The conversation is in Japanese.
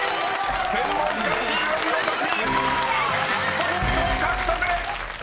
［１００ポイント獲得です！］